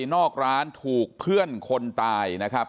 นอกร้านถูกเพื่อนคนตายนะครับ